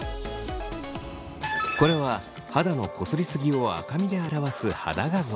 これは肌のこすりすぎを赤みで表す肌画像。